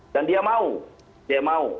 dan dia mau dia mau